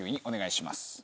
お願いします。